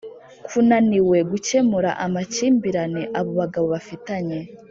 kunaniwe gukemura amakimbirane abo bagabo bafitanye